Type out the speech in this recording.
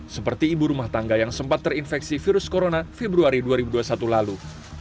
seperti ibu rumah tangga yang sempat terinfeksi virus corona februari dua ribu dua puluh satu lalu